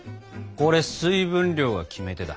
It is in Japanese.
これ水分量が決め手だ。